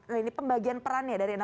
nah ini pembagian perannya